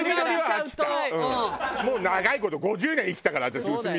もう長い事５０年生きたから私薄緑で。